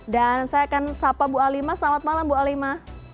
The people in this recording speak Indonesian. dan saya akan sapa bu alima selamat malam bu alima